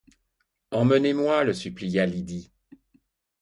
Emmenez-moi, le supplia Lydie.